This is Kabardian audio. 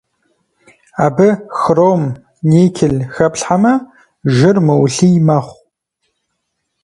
Абы хром, никель хэплъхьэмэ, жыр мыулъий мэхъу.